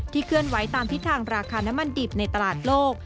เคลื่อนไหวตามทิศทางราคาน้ำมันดิบในตลาดโลก